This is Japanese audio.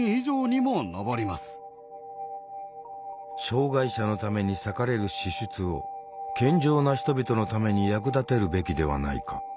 障害者のために割かれる支出を健常な人々のために役立てるべきではないか。